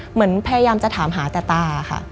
เหมือนพยายามจะถามหาแต่ตาค่ะ